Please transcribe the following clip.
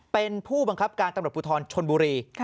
เป็นผู้บังคับการตำรวจภูทรชนบุรี